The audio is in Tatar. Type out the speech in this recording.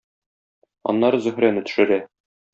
Аннары Зөһрәне төшерә.